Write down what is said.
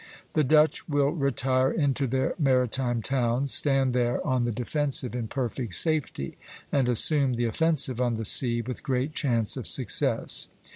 The Dutch will retire into their maritime towns, stand there on the defensive in perfect safety, and assume the offensive on the sea with great chance of success.